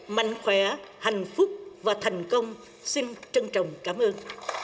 mạnh khỏe hạnh phúc và thành công xin trân trọng cảm ơn